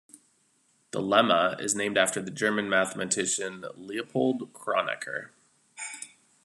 The lemma is named after the German mathematician Leopold Kronecker.